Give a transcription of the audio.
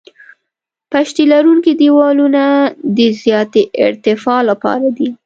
پشتي لرونکي دیوالونه د زیاتې ارتفاع لپاره دي